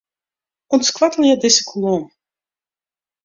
Untskoattelje dizze kolom.